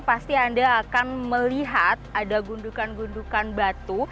pasti anda akan melihat ada gundukan gundukan batu